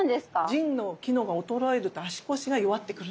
腎の機能が衰えると足腰が弱ってくるんです。